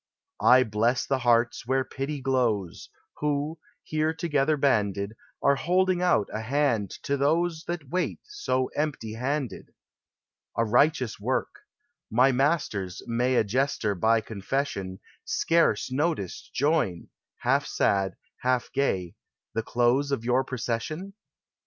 I bless the hearts where pity glows, Who, here together banded, Are holding ont a hand to those That wait so empty handed ! A righteous work! — My Masters, may A Jester by confession, Scarce noticed join, half sad, half gay, The close of your procession